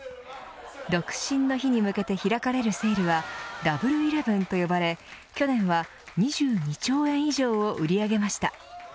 独身の日に向けて開かれるセールはダブルイレブンと呼ばれ去年は２２兆円以上を売り上げました。